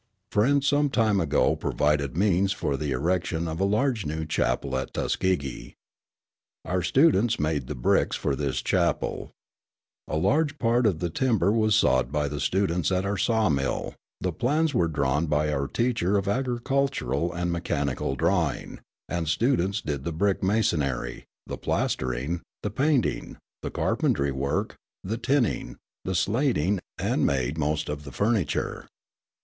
Friends some time ago provided means for the erection of a large new chapel at Tuskegee. Our students made the bricks for this chapel. A large part of the timber was sawed by the students at our saw mill, the plans were drawn by our teacher of architectural and mechanical drawing, and students did the brick masonry, the plastering, the painting, the carpentry work, the tinning, the slating, and made most of the furniture.